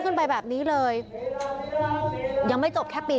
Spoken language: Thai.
อุทธิวัฒน์อิสธิวัฒน์